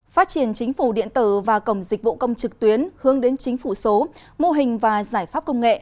phát triển chính phủ điện tử và cổng dịch vụ công trực tuyến hướng đến chính phủ số mô hình và giải pháp công nghệ